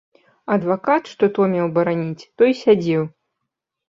Адвакат, што то меў бараніць, той сядзеў.